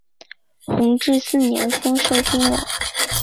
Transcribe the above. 弘治四年受封泾王。